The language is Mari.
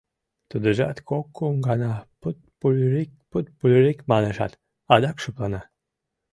Тудыжат кок-кум гана пут-пульырик, пут-пульырик манешат, адак шыплана.